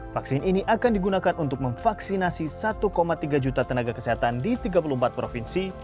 vaksin ini akan digunakan untuk memvaksinasi satu tiga juta tenaga kesehatan di tiga puluh empat provinsi